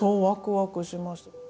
わくわくします。